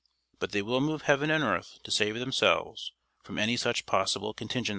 But they will move heaven and earth to save themselves from any such possible contingency.